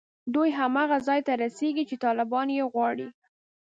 دوی هماغه ځای ته رسېږي چې طالبان یې غواړي